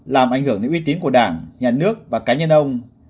làm ảnh hưởng đến uy tín của đảng nhà nước và cá nhân ông